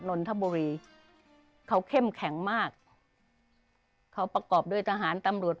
นนทบุรีเขาเข้มแข็งมากเขาประกอบด้วยทหารตำรวจ